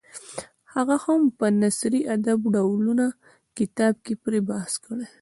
هغه هم په نثري ادب ډولونه کتاب کې پرې بحث کړی دی.